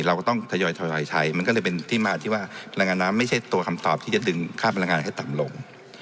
เราก็ต้องทยอยใช้มันก็เลยเป็นที่มาที่ว่าแรงงานน้ำไม่ใช่ตัวคำตอบที่จะดึงค่าพลังงานให้ต่ำลง